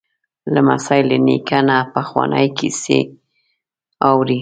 لمسی له نیکه نه پخوانۍ کیسې اوري.